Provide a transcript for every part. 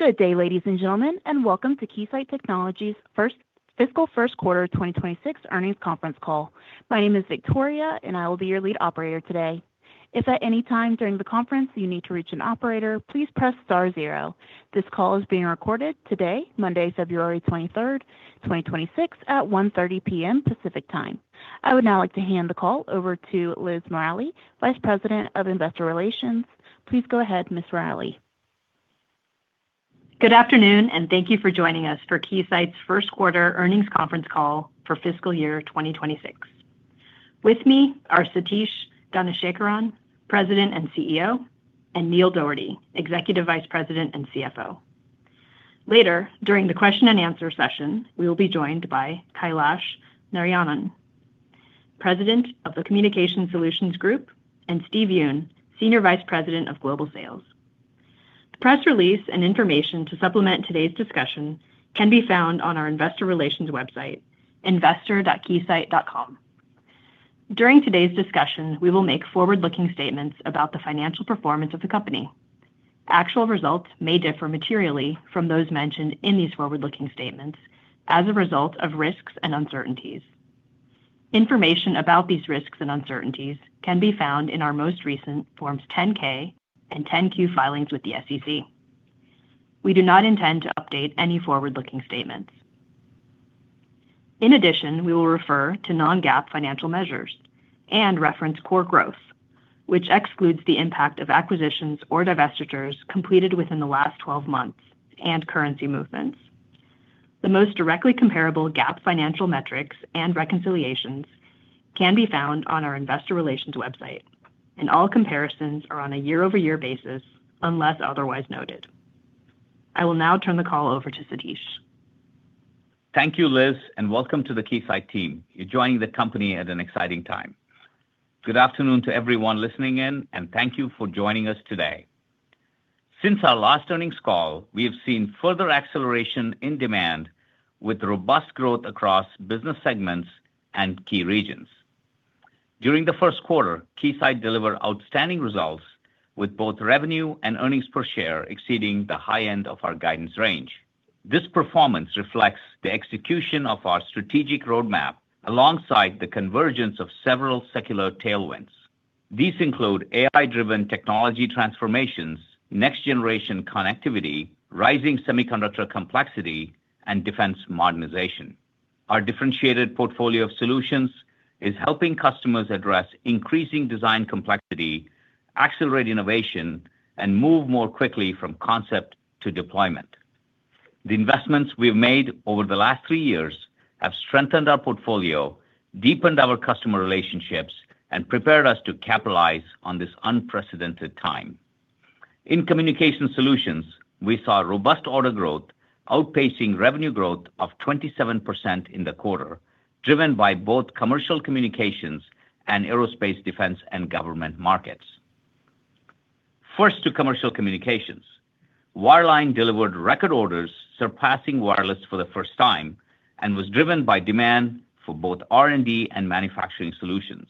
Good day, ladies and gentlemen, and welcome to Keysight Technologies Fiscal First Quarter 2026 Earnings Conference Call. My name is Victoria, and I will be your lead operator today. If at any time during the conference you need to reach an operator, please press star zero. This call is being recorded today, Monday, February 23rd, 2026, at 1:30 P.M. Pacific Time. I would now like to hand the call over to Liz Morali, Vice President of Investor Relations. Please go ahead, Ms. Morali. Good afternoon, thank you for joining us for Keysight's first quarter earnings conference call for fiscal year 2026. With me are Satish Dhanasekaran, President and CEO, and Neil Dougherty, Executive Vice President and CFO. Later, during the question and answer session, we will be joined by Kailash Narayanan, President of the Communications Solutions Group, and Steve Yoon, Senior Vice President of Global Sales. The press release and information to supplement today's discussion can be found on our investor relations website, investor.keysight.com. During today's discussion, we will make forward-looking statements about the financial performance of the company. Actual results may differ materially from those mentioned in these forward-looking statements as a result of risks and uncertainties. Information about these risks and uncertainties can be found in our most recent Forms 10-K and 10-Q filings with the SEC. We do not intend to update any forward-looking statements. In addition, we will refer to non-GAAP financial measures and reference core growth, which excludes the impact of acquisitions or divestitures completed within the last 12 months and currency movements. The most directly comparable GAAP financial metrics and reconciliations can be found on our investor relations website, and all comparisons are on a year-over-year basis unless otherwise noted. I will now turn the call over to Satish. Thank you, Liz, and welcome to the Keysight team. You're joining the company at an exciting time. Good afternoon to everyone listening in, thank you for joining us today. Since our last earnings call, we have seen further acceleration in demand with robust growth across business segments and key regions. During the first quarter, Keysight delivered outstanding results, with both revenue and earnings per share exceeding the high end of our guidance range. This performance reflects the execution of our strategic roadmap, alongside the convergence of several secular tailwinds. These include AI-driven technology transformations, next-generation connectivity, rising semiconductor complexity, and defense modernization. Our differentiated portfolio of solutions is helping customers address increasing design complexity, accelerate innovation, and move more quickly from concept to deployment. The investments we've made over the last three years have strengthened our portfolio, deepened our customer relationships, and prepared us to capitalize on this unprecedented time. In Communications Solutions, we saw robust order growth, outpacing revenue growth of 27% in the quarter, driven by both commercial communications and aerospace, defense, and government markets. First, to commercial communications. Wireline delivered record orders, surpassing wireless for the first time, and was driven by demand for both R&D and manufacturing solutions.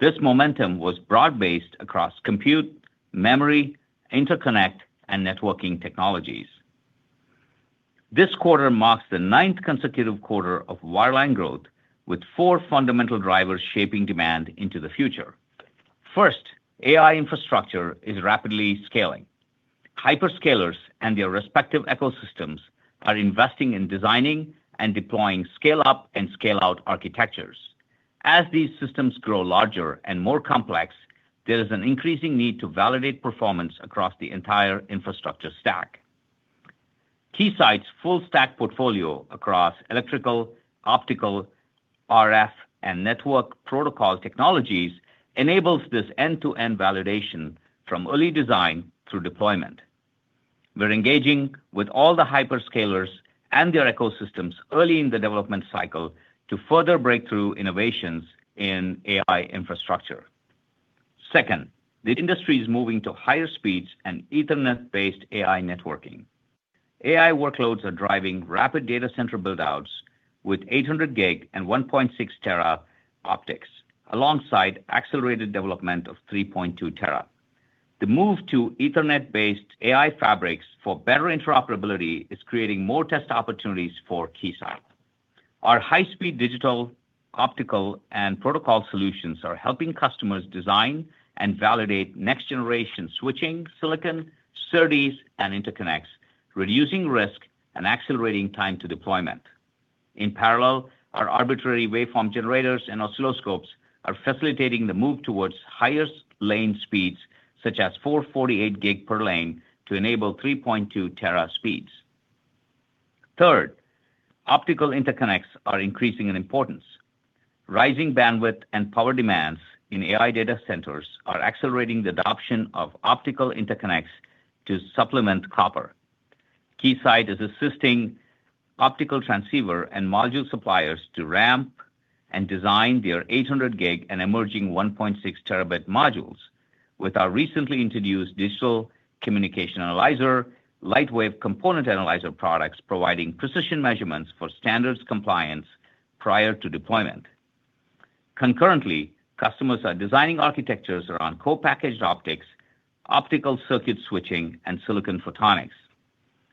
This momentum was broad-based across compute, memory, interconnect, and networking technologies. This quarter marks the ninth consecutive quarter of wireline growth, with four fundamental drivers shaping demand into the future. First, AI infrastructure is rapidly scaling. Hyperscalers and their respective ecosystems are investing in designing and deploying scale-up and scale-out architectures. As these systems grow larger and more complex, there is an increasing need to validate performance across the entire infrastructure stack. Keysight's full stack portfolio across electrical, optical, RF, and network protocol technologies enables this end-to-end validation from early design through deployment. We're engaging with all the hyperscalers and their ecosystems early in the development cycle to further breakthrough innovations in AI infrastructure. Second, the industry is moving to higher speeds and Ethernet-based AI networking. AI workloads are driving rapid data center build-outs 800 GB and 1.6 T optics, alongside accelerated development of 3.2 T. The move to Ethernet-based AI fabrics for better interoperability is creating more test opportunities for Keysight. Our high-speed digital, optical, and protocol solutions are helping customers design and validate next-generation switching silicon, SerDes, and interconnects, reducing risk and accelerating time to deployment. In parallel, our arbitrary waveform generators and oscilloscopes are facilitating the move towards higher lane speeds, such as 448 GB per lane, to enable 3.2 T speeds. Third, optical interconnects are increasing in importance. Rising bandwidth and power demands in AI data centers are accelerating the adoption of optical interconnects to supplement copper. Keysight is assisting optical transceiver and module suppliers to ramp and design 800 GB and emerging 1.6 T modules with our recently introduced digital communication analyzer, Lightwave component analyzer products, providing precision measurements for standards compliance prior to deployment. Concurrently, customers are designing architectures around Co-packaged optics, Optical circuit switching, and Silicon photonics.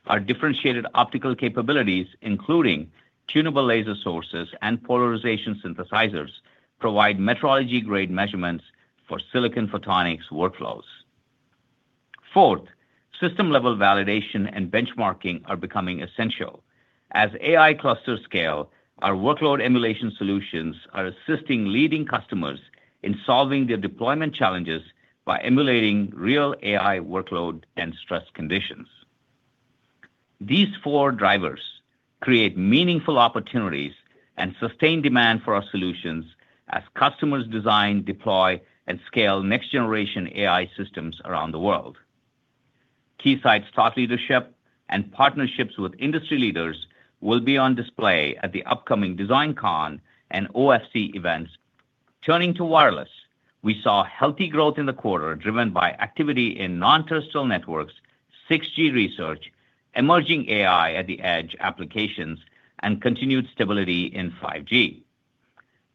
Our differentiated optical capabilities, including tunable laser sources and polarization synthesizers, provide metrology-grade measurements for Silicon photonics workflows. Fourth, system-level validation and benchmarking are becoming essential. As AI clusters scale, our workload emulation solutions are assisting leading customers in solving their deployment challenges by emulating real AI workload and stress conditions. These four drivers create meaningful opportunities and sustain demand for our solutions as customers design, deploy, and scale next-generation AI systems around the world. Keysight's thought leadership and partnerships with industry leaders will be on display at the upcoming DesignCon and OFC events. Turning to wireless, we saw healthy growth in the quarter, driven by activity in non-terrestrial networks, 6G research, emerging AI at the edge applications, and continued stability in 5G.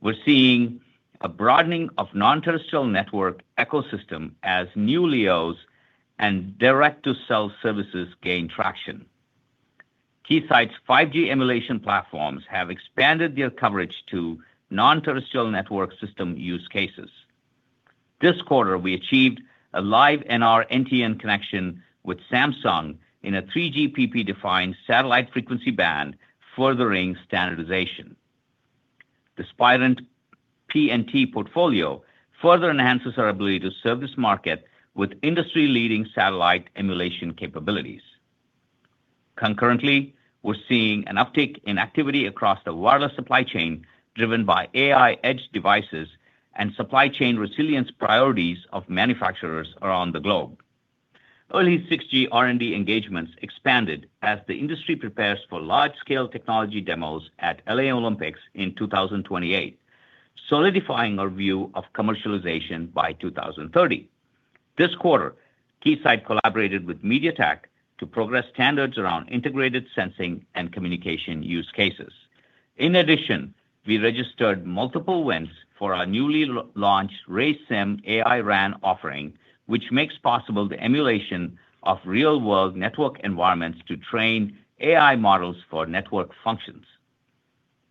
We're seeing a broadening of non-terrestrial network ecosystem as new LEOs and Direct-to-Cell services gain traction. Keysight's 5G emulation platforms have expanded their coverage to non-terrestrial network system use cases. This quarter, we achieved a live NR NTN connection with Samsung in a 3GPP-defined satellite frequency band, furthering standardization. The Spirent PNT portfolio further enhances our ability to serve this market with industry-leading satellite emulation capabilities. Concurrently, we're seeing an uptick in activity across the wireless supply chain, driven by AI edge devices and supply chain resilience priorities of manufacturers around the globe. Early 6G R&D engagements expanded as the industry prepares for large-scale technology demos at LA Olympics in 2028, solidifying our view of commercialization by 2030. This quarter, Keysight collaborated with MediaTek to progress standards around integrated sensing and communication use cases. In addition, we registered multiple wins for our newly launched RaceSIM AI RAN offering, which makes possible the emulation of real-world network environments to train AI models for network functions.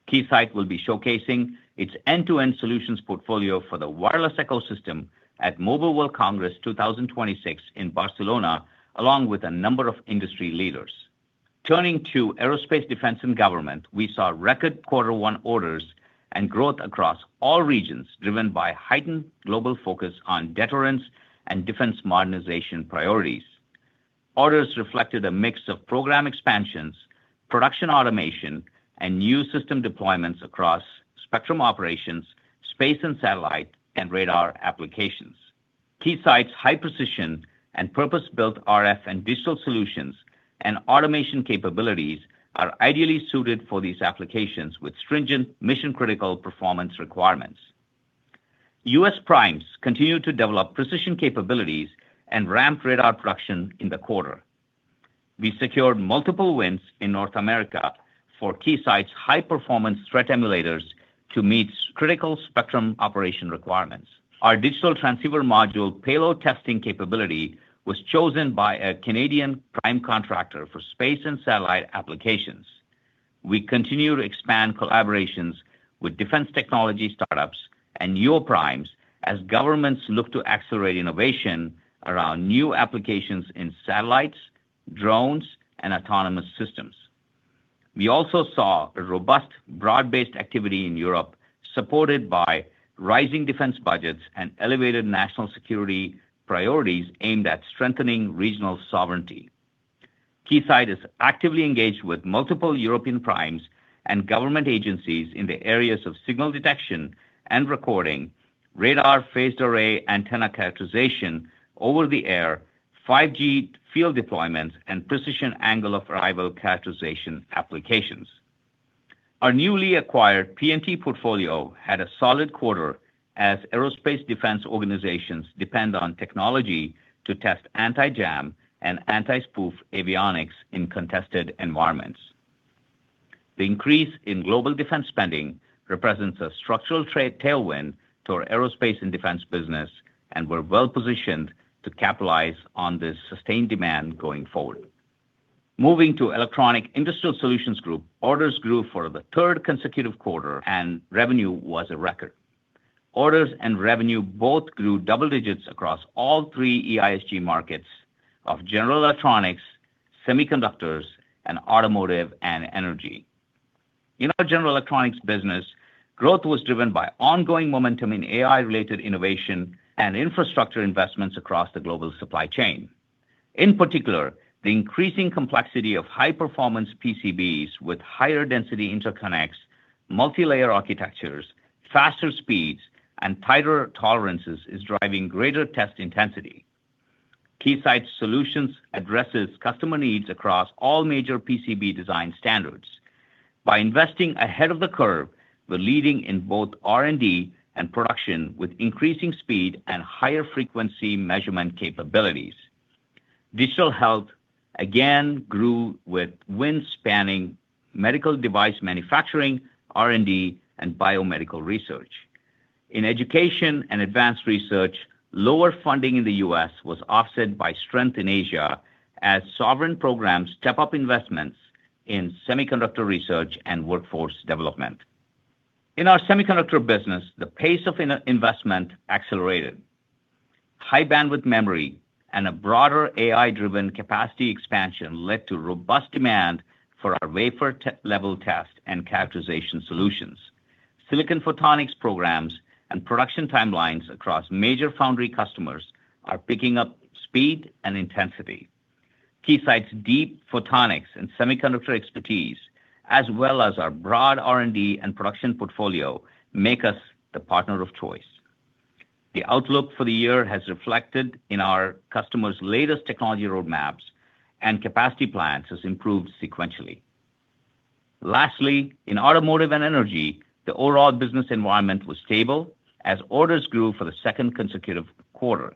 Keysight will be showcasing its end-to-end solutions portfolio for the wireless ecosystem at Mobile World Congress 2026 in Barcelona, along with a number of industry leaders. Turning to aerospace, defense, and government, we saw record quarter one orders and growth across all regions, driven by heightened global focus on deterrence and defense modernization priorities. Orders reflected a mix of program expansions, production automation, and new system deployments across spectrum operations, space and satellite, and radar applications. Keysight's high-precision and purpose-built RF and digital solutions and automation capabilities are ideally suited for these applications with stringent mission-critical performance requirements. U.S. primes continued to develop precision capabilities and ramped radar production in the quarter. We secured multiple wins in North America for Keysight's high-performance threat emulators to meet critical spectrum operation requirements. Our digital transceiver module payload testing capability was chosen by a Canadian prime contractor for space and satellite applications. We continue to expand collaborations with defense technology startups and new primes as governments look to accelerate innovation around new applications in satellites, drones, and autonomous systems. We also saw a robust, broad-based activity in Europe, supported by rising defense budgets and elevated national security priorities aimed at strengthening regional sovereignty. Keysight is actively engaged with multiple European primes and government agencies in the areas of signal detection and recording, radar phased array antenna characterization, over-the-air 5G field deployments, and precision angle-of-arrival characterization applications. Our newly acquired PNT portfolio had a solid quarter as aerospace defense organizations depend on technology to test anti-jam and anti-spoof avionics in contested environments. The increase in global defense spending represents a structural trade tailwind to our aerospace and defense business, and we're well-positioned to capitalize on this sustained demand going forward. Moving to Electronic Industrial Solutions Group, orders grew for the third consecutive quarter, and revenue was a record. Orders and revenue both grew double digits across all three EISG markets of general electronics, semiconductors, and automotive and energy. In our general electronics business, growth was driven by ongoing momentum in AI-related innovation and infrastructure investments across the global supply chain. In particular, the increasing complexity of high-performance PCBs with higher density interconnects, multilayer architectures, faster speeds, and tighter tolerances is driving greater test intensity. Keysight Solutions addresses customer needs across all major PCB design standards. By investing ahead of the curve, we're leading in both R&D and production, with increasing speed and higher frequency measurement capabilities. Digital health again grew with wins spanning medical device manufacturing, R&D, and biomedical research. In education and advanced research, lower funding in the U.S. was offset by strength in Asia as sovereign programs step up investments in semiconductor research and workforce development. In our semiconductor business, the pace of investment accelerated. High-Bandwidth Memory and a broader AI-driven capacity expansion led to robust demand for our wafer-level test and characterization solutions. Silicon photonics programs and production timelines across major foundry customers are picking up speed and intensity. Keysight's deep photonics and semiconductor expertise, as well as our broad R&D and production portfolio, make us the partner of choice. The outlook for the year has reflected in our customers' latest technology roadmaps, and capacity plans has improved sequentially. Lastly, in automotive and energy, the overall business environment was stable as orders grew for the second consecutive quarter.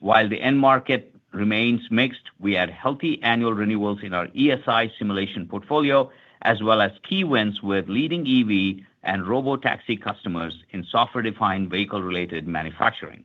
While the end market remains mixed, we had healthy annual renewals in our ESI simulation portfolio, as well as key wins with leading EV and robotaxi customers in software-defined, vehicle-related manufacturing.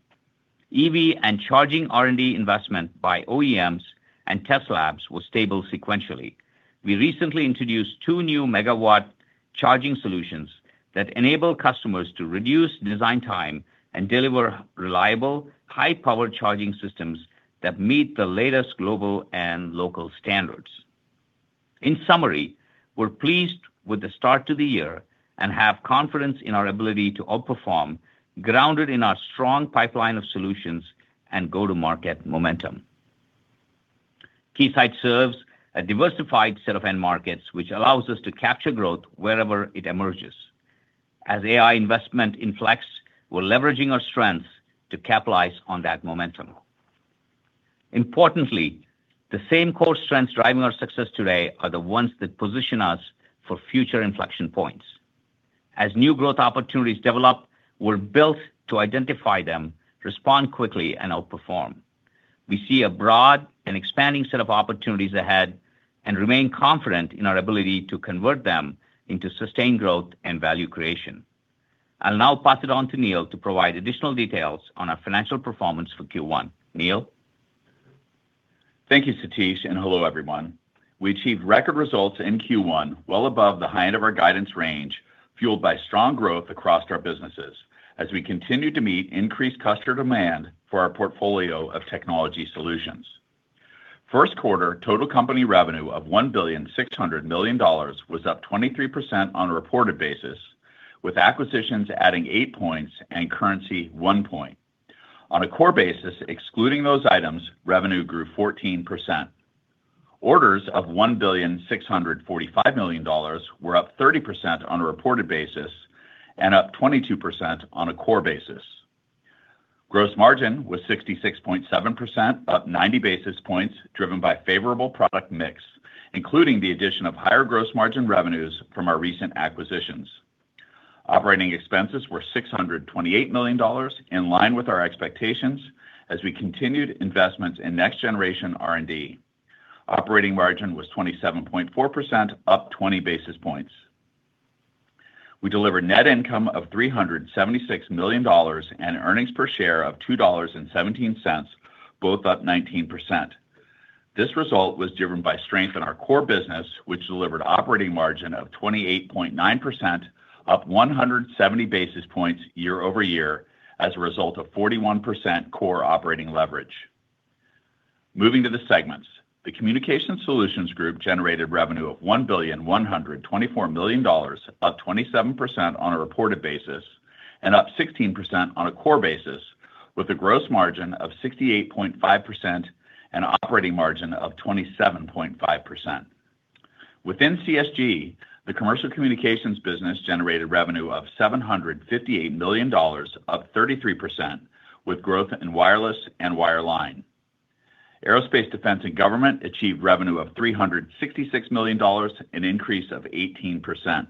EV and charging R&D investment by OEMs and test labs was stable sequentially. We recently introduced two new megawatt charging solutions that enable customers to reduce design time and deliver reliable, high-powered charging systems that meet the latest global and local standards. In summary, we're pleased with the start to the year and have confidence in our ability to outperform, grounded in our strong pipeline of solutions and go-to-market momentum. Keysight serves a diversified set of end markets, which allows us to capture growth wherever it emerges. As AI investment inflects, we're leveraging our strengths to capitalize on that momentum. Importantly, the same core strengths driving our success today are the ones that position us for future inflection points. As new growth opportunities develop, we're built to identify them, respond quickly, and outperform. We see a broad and expanding set of opportunities ahead and remain confident in our ability to convert them into sustained growth and value creation. I'll now pass it on to Neil to provide additional details on our financial performance for Q1. Neil? Thank you, Satish, and hello, everyone. We achieved record results in Q1, well above the high end of our guidance range, fueled by strong growth across our businesses as we continue to meet increased customer demand for our portfolio of technology solutions. First quarter total company revenue of $1.6 billion was up 23% on a reported basis, with acquisitions adding eight points and currency one point. On a core basis, excluding those items, revenue grew 14%. Orders of $1.645 billion were up 30% on a reported basis and up 22% on a core basis. Gross margin was 66.7%, up 90 basis points, driven by favorable product mix, including the addition of higher gross margin revenues from our recent acquisitions. Operating expenses were $628 million, in line with our expectations, as we continued investments in next-generation R&D. Operating margin was 27.4%, up 20 basis points. We delivered net income of $376 million and earnings per share of $2.17, both up 19%. This result was driven by strength in our core business, which delivered operating margin of 28.9%, up 170 basis points year-over-year, as a result of 41% core operating leverage. Moving to the segments, the Communication Solutions Group generated revenue of $1,124 million, up 27% on a reported basis and up 16% on a core basis, with a gross margin of 68.5% and operating margin of 27.5%. Within CSG, the commercial communications business generated revenue of $758 million, up 33%, with growth in wireless and wireline. Aerospace, Defense, and Government achieved revenue of $366 million, an increase of 18%.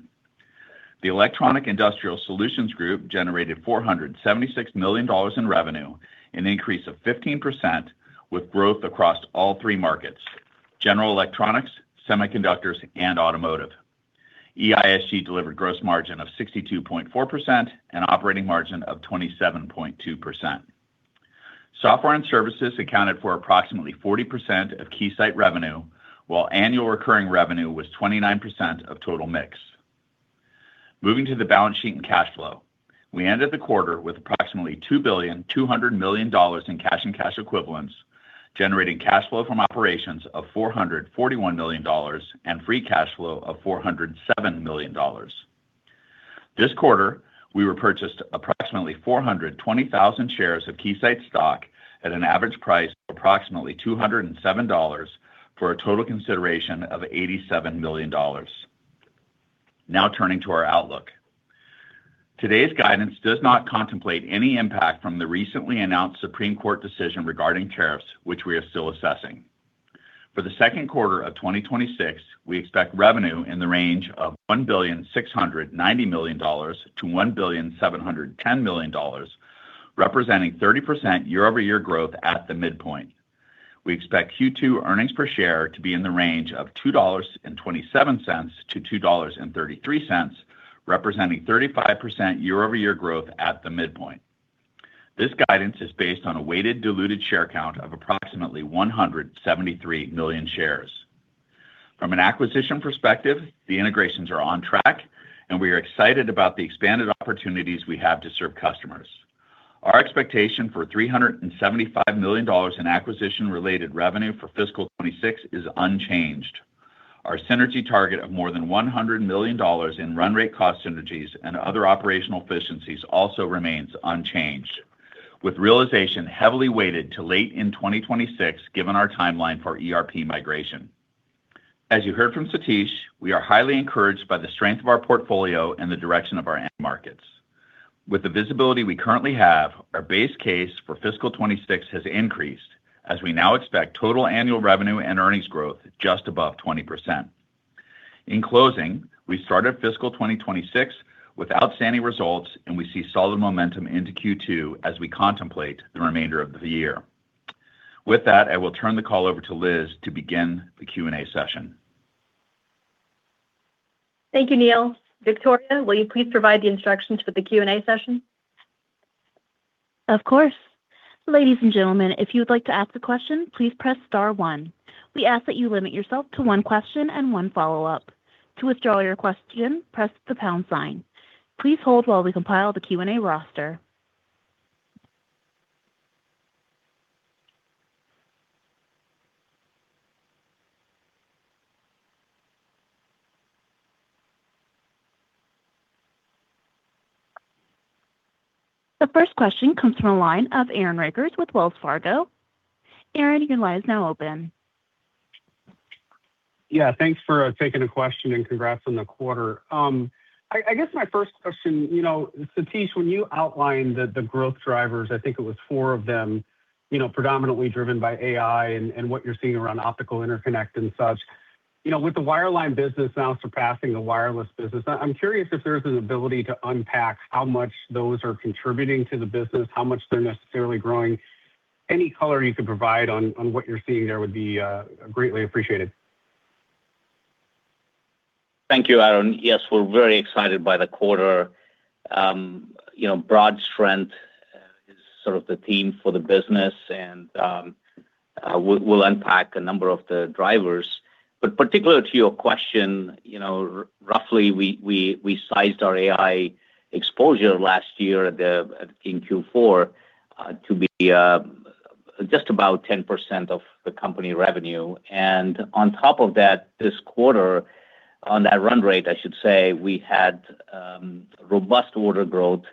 The Electronic Industrial Solutions Group generated $476 million in revenue, an increase of 15%, with growth across all three markets: general electronics, semiconductors, and automotive. EISG delivered gross margin of 62.4% and operating margin of 27.2%. Software and services accounted for approximately 40% of Keysight revenue, while annual recurring revenue was 29% of total mix. Moving to the balance sheet and cash flow, we ended the quarter with approximately $2.2 billion in cash and cash equivalents, generating cash flow from operations of $441 million and free cash flow of $407 million. This quarter, we repurchased approximately 420,000 shares of Keysight stock at an average price of approximately $207, for a total consideration of $87 million. Turning to our outlook. Today's guidance does not contemplate any impact from the recently announced Supreme Court decision regarding tariffs, which we are still assessing. For the second quarter of 2026, we expect revenue in the range of $1.69 billion-$1.71 billion, representing 30% year-over-year growth at the midpoint. We expect Q2 earnings per share to be in the range of $2.27-$2.33, representing 35% year-over-year growth at the midpoint. This guidance is based on a weighted diluted share count of approximately 173 million shares. From an acquisition perspective, the integrations are on track, and we are excited about the expanded opportunities we have to serve customers. Our expectation for $375 million in acquisition-related revenue for fiscal 2026 is unchanged. Our synergy target of more than $100 million in run rate cost synergies and other operational efficiencies also remains unchanged, with realization heavily weighted to late in 2026, given our timeline for ERP migration. As you heard from Satish, we are highly encouraged by the strength of our portfolio and the direction of our end markets. With the visibility we currently have, our base case for fiscal 2026 has increased, as we now expect total annual revenue and earnings growth just above 20%. In closing, we started fiscal 2026 with outstanding results, and we see solid momentum into Q2 as we contemplate the remainder of the year. With that, I will turn the call over to Liz to begin the Q&A session. Thank you, Neil. Victoria, will you please provide the instructions for the Q&A session? Of course. Ladies and gentlemen, if you would like to ask a question, please press star one. We ask that you limit yourself to one question and one follow-up. To withdraw your question, press the pound sign. Please hold while we compile the Q&A roster. The first question comes from the line of Aaron Rakers with Wells Fargo. Aaron, your line is now open. Yeah, thanks for taking the question. Congrats on the quarter. I guess my first question, you know, Satish, when you outlined the growth drivers, I think it was four of them, you know, predominantly driven by AI and what you're seeing around optical interconnect and such. You know, with the wireline business now surpassing the wireless business, I'm curious if there's an ability to unpack how much those are contributing to the business, how much they're necessarily growing. Any color you could provide on what you're seeing there would be greatly appreciated. Thank you, Aaron. Yes, we're very excited by the quarter. You know, broad strength is sort of the theme for the business, and we'll, we'll unpack a number of the drivers. Particular to your question, you know, roughly, we sized our AI exposure last year at the, in Q4, to be just about 10% of the company revenue. On top of that, this quarter, on that run rate, I should say, we had robust order growth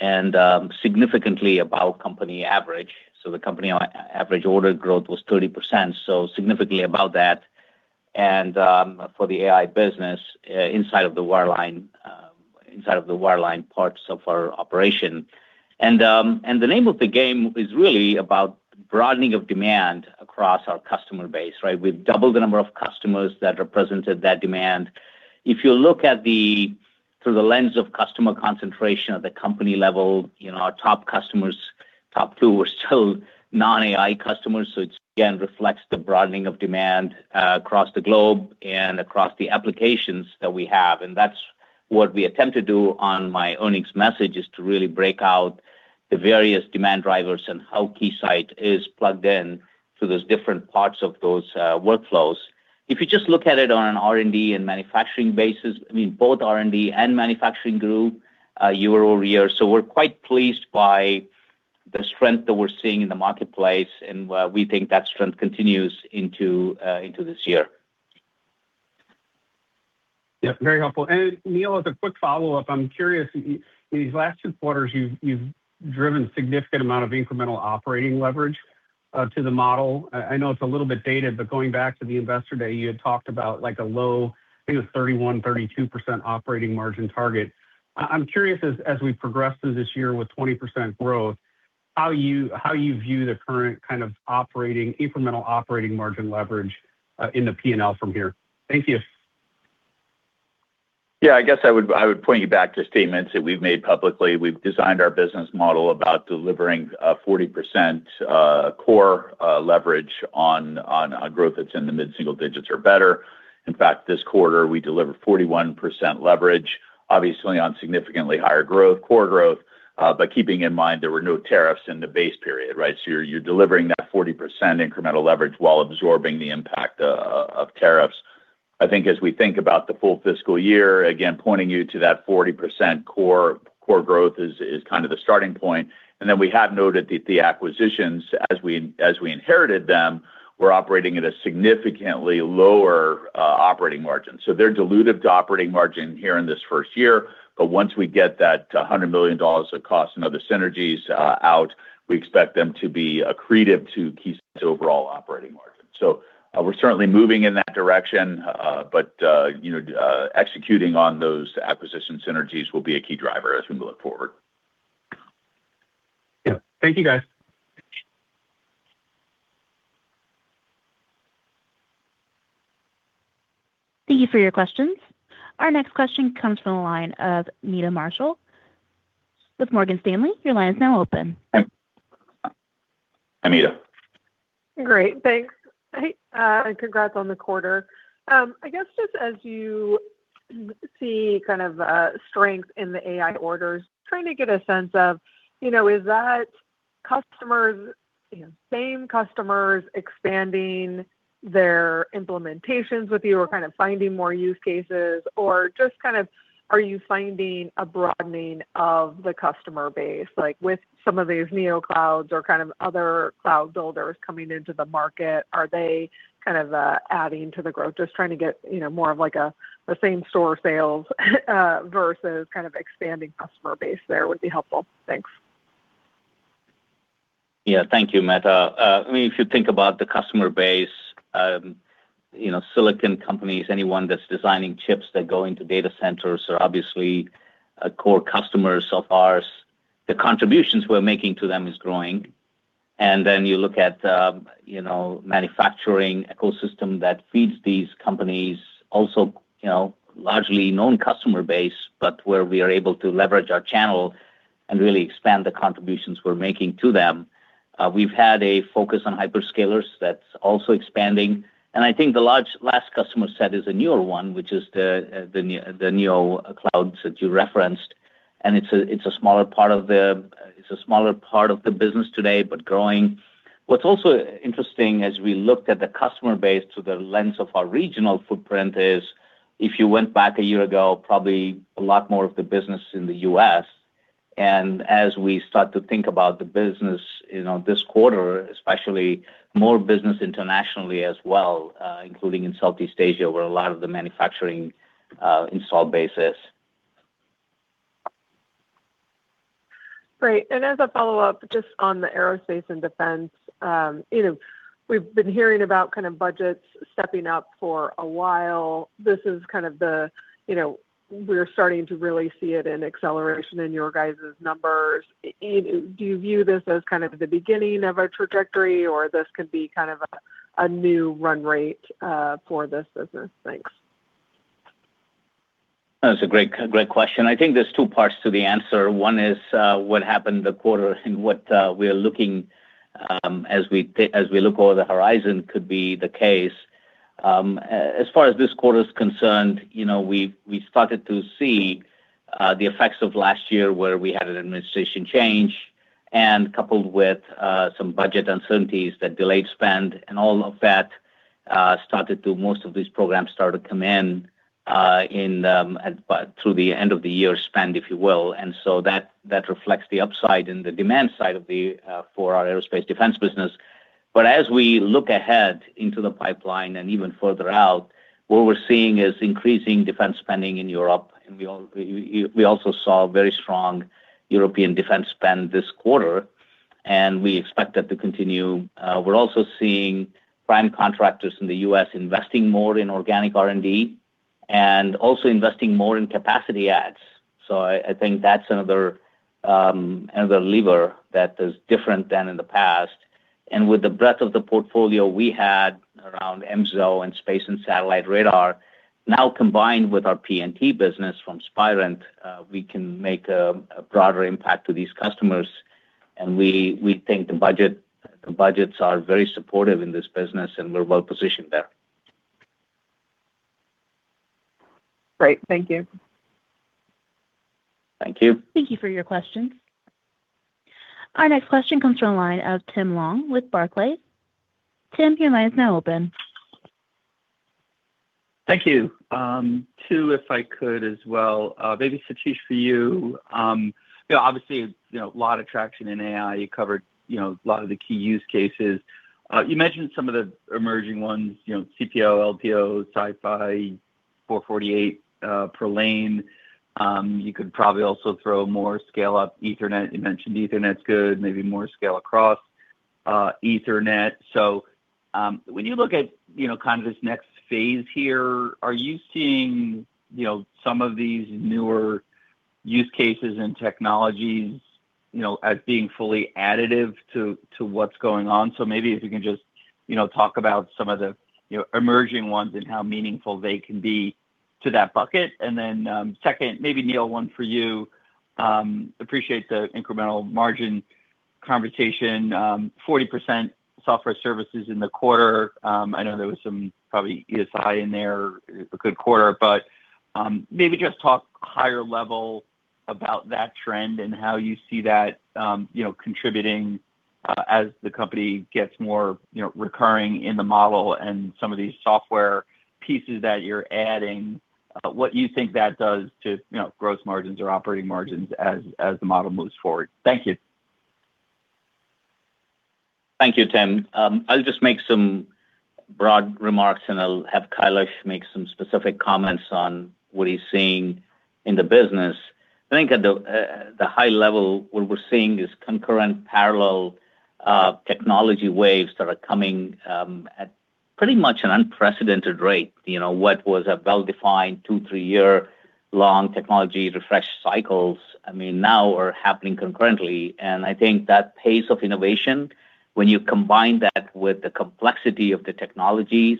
and significantly above company average. The company average order growth was 30%, so significantly above that, and for the AI business, inside of the wireline, inside of the wireline parts of our operation. The name of the game is really about broadening of demand across our customer base, right? We've doubled the number of customers that are present at that demand. If you look at the, through the lens of customer concentration at the company level, you know, our top customers, top two are still non-AI customers, so it again reflects the broadening of demand across the globe and across the applications that we have, and that's what we attempt to do on my earnings message is to really break out the various demand drivers and how Keysight is plugged in to those different parts of those workflows. If you just look at it on an R&D and manufacturing basis, I mean, both R&D and manufacturing grew year-over-year, so we're quite pleased by the strength that we're seeing in the marketplace, and we think that strength continues into this year. Yeah, very helpful. Neil, as a quick follow-up, I'm curious, in these last two quarters, you've, you've driven significant amount of incremental operating leverage to the model. I, I know it's a little bit dated, but going back to the Investor Day, you had talked about, like, a low, I think it was 31%-32% operating margin target. I, I'm curious, as, as we progress through this year with 20% growth, how you, how you view the current kind of operating, incremental operating margin leverage in the P&L from here. Thank you. Yeah, I guess I would, I would point you back to statements that we've made publicly. We've designed our business model about delivering a 40% core leverage on, on, on growth that's in the mid-single digits or better. In fact, this quarter, we delivered 41% leverage, obviously on significantly higher growth, core growth, but keeping in mind there were no tariffs in the base period, right? You're, you're delivering that 40% incremental leverage while absorbing the impact of tariffs. I think as we think about the full fiscal year, again, pointing you to that 40% core, core growth is, is kind of the starting point. We have noted that the acquisitions, as we, as we inherited them, were operating at a significantly lower operating margin. They're dilutive to operating margin here in this first year, but once we get that $100 million of cost and other synergies out, we expect them to be accretive to Keysight's overall operating margin. We're certainly moving in that direction, but, you know, executing on those acquisition synergies will be a key driver as we move forward. Yeah. Thank you, guys. Thank you for your questions. Our next question comes from the line of Meta Marshall with Morgan Stanley. Your line is now open. Hi, Meta. Great, thanks. Hey, congrats on the quarter. I guess just as you see kind of, strength in the AI orders, trying to get a sense of, you know, is that customers, you know, same customers expanding their implementations with you or kind of finding more use cases, or just kind of, are you finding a broadening of the customer base? Like, with some of these neoclouds or kind of other cloud builders coming into the market, are they kind of, adding to the growth? Just trying to get, you know, more of like a, the same store sales, versus kind of expanding customer base there would be helpful. Thanks. Yeah. Thank you, Meta. I mean, if you think about the customer base, you know, silicon companies, anyone that's designing chips that go into data centers are obviously a core customers of ours. The contributions we're making to them is growing. Then you look at, you know, manufacturing ecosystem that feeds these companies also, you know, largely known customer base, but where we are able to leverage our channel and really expand the contributions we're making to them. We've had a focus on hyperscalers that's also expanding, and I think the last customer set is a newer one, which is the neoclouds that you referenced. It's a smaller part of the business today, but growing. What's also interesting as we looked at the customer base through the lens of our regional footprint is, if you went back a year ago, probably a lot more of the business in the U.S. As we start to think about the business, you know, this quarter, especially more business internationally as well, including in Southeast Asia, where a lot of the manufacturing, install base is. Great. As a follow-up, just on the aerospace and defense, you know, we've been hearing about kind of budgets stepping up for a while. This is kind of the, you know, we're starting to really see it in acceleration in your guys's numbers. Do you view this as kind of the beginning of a trajectory, or this could be kind of a, a new run rate for this business? Thanks. That's a great, great question. I think there's two parts to the answer. One is, what happened the quarter and what we are looking, as we look over the horizon could be the case. As far as this quarter is concerned, you know, we, we started to see the effects of last year, where we had an administration change and coupled with some budget uncertainties that delayed spend and all of that started to, most of these programs started to come in, at, by, through the end of the year spend, if you will. So that, that reflects the upside and the demand side of the, for our aerospace defense business. As we look ahead into the pipeline and even further out, what we're seeing is increasing defense spending in Europe, and we also saw very strong European defense spend this quarter, and we expect that to continue. We're also seeing prime contractors in the U.S. investing more in organic R&D and also investing more in capacity ads. So I, I think that's another lever that is different than in the past. With the breadth of the portfolio we had around Mars Science Laboratory and space and satellite radar, now combined with our PNT business from Spirent, we can make a broader impact to these customers, and we, we think the budgets are very supportive in this business, and we're well positioned there. Great. Thank you. Thank you. Thank you for your questions. Our next question comes from the line of Tim Long with Barclays. Tim, your line is now open. Thank you. Two, if I could as well. Maybe Satish, for you, you know, obviously, you know, a lot of traction in AI. You covered, you know, a lot of the key use cases. You mentioned some of the emerging ones, you know, CPO, LPO, SiPhy, 448 per lane. You could probably also throw more scale up Ethernet. You mentioned Ethernet's good, maybe more scale across Ethernet. When you look at, you know, kind of this next phase here, are you seeing, you know, some of these newer use cases and technologies, you know, as being fully additive to, to what's going on? Maybe if you can just, you know, talk about some of the, you know, emerging ones and how meaningful they can be to that bucket. And then, second, maybe Neil, one for you. Appreciate the incremental margin conversation, 40% software services in the quarter. I know there was some probably ESI in there, it was a good quarter, but, maybe just talk higher level about that trend and how you see that, you know, contributing, as the company gets more, you know, recurring in the model and some of these software pieces that you're adding, what you think that does to, you know, gross margins or operating margins as, as the model moves forward. Thank you. Thank you, Tim. I'll just make some broad remarks, and I'll have Kailash make some specific comments on what he's seeing in the business. I think at the high level, what we're seeing is concurrent, parallel technology waves that are coming at pretty much an unprecedented rate. You know, what was a well-defined two, three-year-long technology refresh cycles, I mean, now are happening concurrently. I think that pace of innovation, when you combine that with the complexity of the technologies,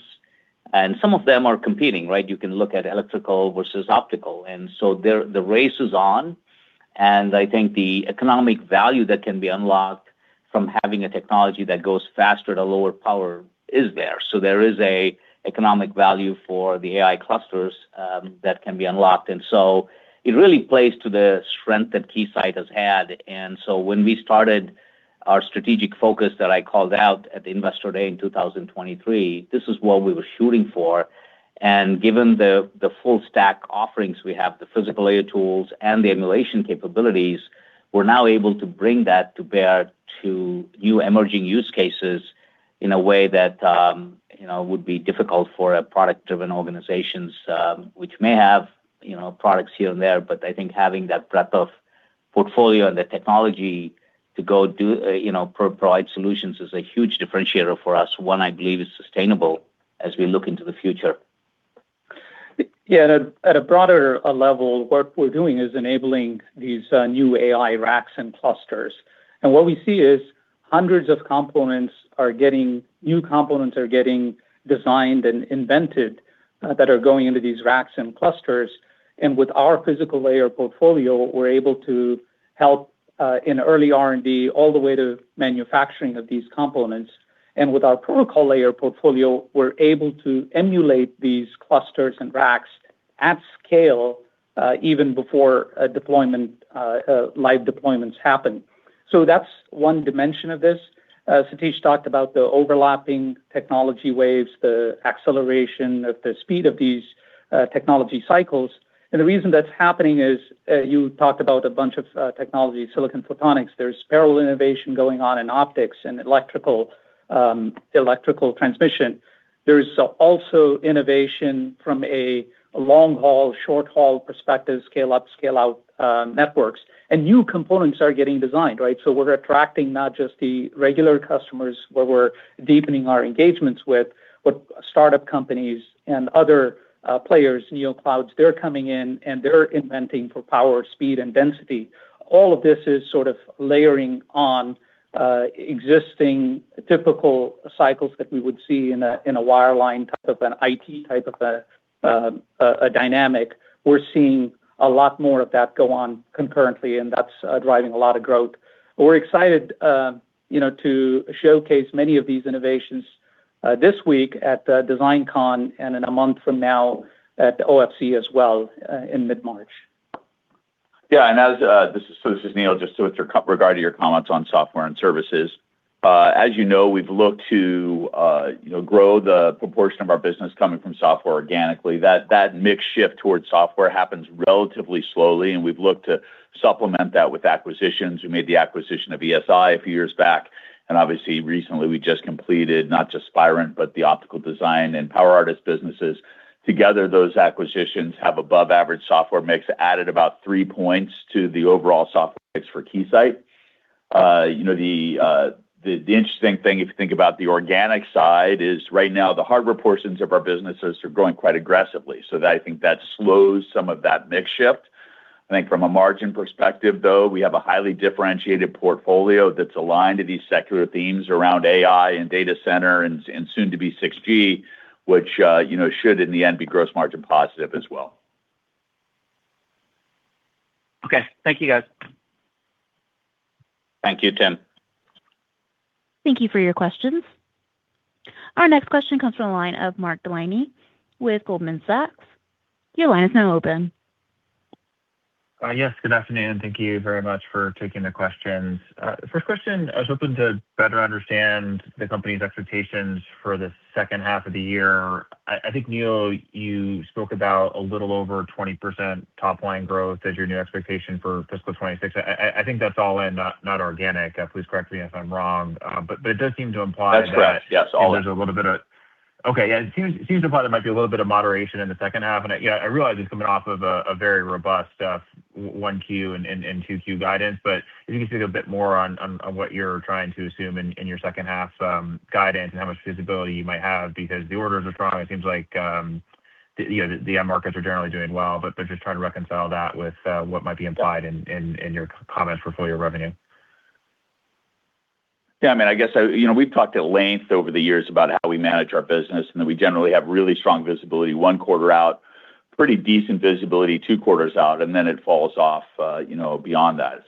and some of them are competing, right? You can look at electrical versus optical, and so the, the race is on, and I think the economic value that can be unlocked from having a technology that goes faster at a lower power is there. There is a economic value for the AI clusters that can be unlocked. It really plays to the strength that Keysight has had. When we started our strategic focus that I called out at the Investor Day in 2023, this is what we were shooting for. Given the, the full stack offerings we have, the physical layer tools and the emulation capabilities, we're now able to bring that to bear to new emerging use cases in a way that, you know, would be difficult for a product-driven organizations, which may have, you know, products here and there. I think having that breadth of portfolio and the technology to go do, you know, provide solutions is a huge differentiator for us. One, I believe, is sustainable as we look into the future. Yeah, at a broader level, what we're doing is enabling these new AI racks and clusters. What we see is hundreds of components, new components are getting designed and invented that are going into these racks and clusters. With our physical layer portfolio, we're able to help in early R&D, all the way to manufacturing of these components. With our protocol layer portfolio, we're able to emulate these clusters and racks at scale, even before a deployment, live deployments happen. That's one dimension of this. Satish talked about the overlapping technology waves, the acceleration of the speed of these technology cycles. The reason that's happening is, you talked about a bunch of technologies, silicon photonics. There's parallel innovation going on in optics and electrical, electrical transmission. There's also innovation from a long-haul, short-haul perspective, scale-up, scale-out, networks, and new components are getting designed, right? We're attracting not just the regular customers, where we're deepening our engagements with, but startup companies and other players, neoclouds, they're coming in, and they're inventing for power, speed, and density. All of this is sort of layering on existing typical cycles that we would see in a, in a wireline type of an IT, type of a dynamic. We're seeing a lot more of that go on concurrently, and that's driving a lot of growth. We're excited, you know, to showcase many of these innovations this week at the DesignCon, and in a month from now at the OFC as well, in mid-March. Yeah, as this is Neil, just with regard to your comments on software and services. As you know, we've looked to, you know, grow the proportion of our business coming from software organically. That, that mix shift towards software happens relatively slowly, and we've looked to supplement that with acquisitions. We made the acquisition of ESI a few years back, and obviously recently we just completed not just Spirent, but the Optical Design and PowerArtist businesses. Together, those acquisitions have above average software mix, added about three points to the overall software mix for Keysight. You know, the, the interesting thing, if you think about the organic side, is right now the hardware portions of our businesses are growing quite aggressively. That I think that slows some of that mix shift. I think from a margin perspective, though, we have a highly differentiated portfolio that's aligned to these secular themes around AI and data center and, and soon to be 6G, which, you know, should, in the end, be gross margin positive as well. Okay. Thank you, guys. Thank you, Tim. Thank you for your questions. Our next question comes from the line of Mark Delaney with Goldman Sachs. Your line is now open. Yes, good afternoon, and thank you very much for taking the questions. First question, I was hoping to better understand the company's expectations for the second half of the year. I think, Neil, you spoke about a little over 20% top line growth as your new expectation for fiscal 2026. Think that's all in, not, not organic. Please correct me if I'm wrong, but, but it does seem to imply that- That's correct. Yes, all in. There's a little bit of... Okay, yeah, it seems, seems to imply there might be a little bit of moderation in the second half. I realize it's coming off of a very robust 1Q and 2Q guidance. If you can speak a bit more on what you're trying to assume in your second half guidance and how much visibility you might have, because the orders are strong. It seems like, you know, the end markets are generally doing well, but they're just trying to reconcile that with what might be implied in your comments for full year revenue. Yeah, I mean, I guess, you know, we've talked at length over the years about how we manage our business, and that we generally have really strong visibility one quarter out, pretty decent visibility two quarters out, and then it falls off, you know, beyond that.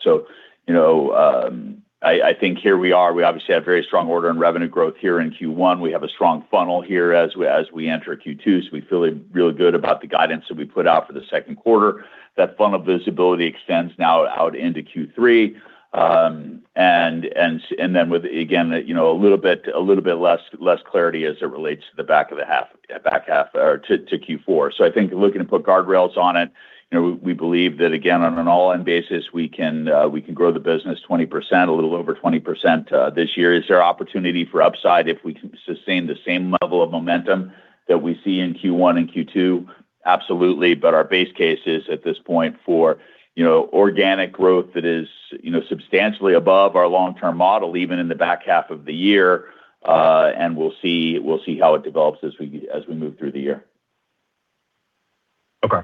You know, I, I think here we are, we obviously have very strong order and revenue growth here in Q1. We have a strong funnel here as we, as we enter Q2, so we feel really good about the guidance that we put out for the second quarter. That funnel visibility extends now out into Q3, then with, again, you know, a little bit, a little bit less, less clarity as it relates to the back of the half, back half or to, to Q4. I think looking to put guardrails on it, you know, we, we believe that, again, on an all-in basis, we can grow the business 20%, a little over 20% this year. Is there opportunity for upside if we can sustain the same level of momentum that we see in Q1 and Q2? Absolutely, but our base case is at this point for, you know, organic growth that is, you know, substantially above our long-term model, even in the back half of the year, and we'll see, we'll see how it develops as we, as we move through the year. Okay.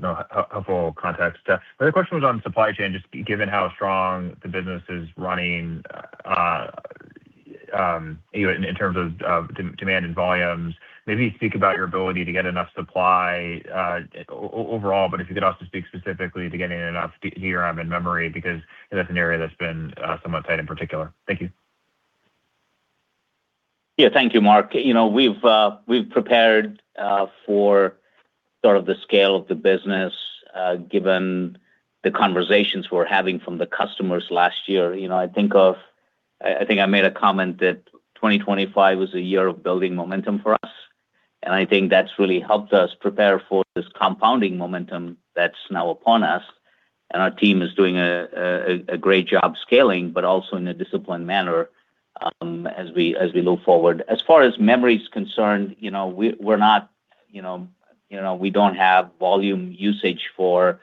No, helpful context. The other question was on supply chain, just given how strong the business is running, you know, in terms of, of demand and volumes, maybe speak about your ability to get enough supply, overall, but if you could also speak specifically to getting enough DRAM and memory, because that's an area that's been, somewhat tight in particular. Thank you. Yeah, thank you, Mark. You know, we've, we've prepared for sort of the scale of the business, given the conversations we're having from the customers last year. You know, I think I made a comment that 2025 was a year of building momentum for us, and I think that's really helped us prepare for this compounding momentum that's now upon us. Our team is doing a great job scaling, but also in a disciplined manner, as we, as we look forward. As far as memory is concerned, you know, we're not, you know, you know, we don't have volume usage for